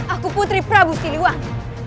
aku putri prabu siliwangi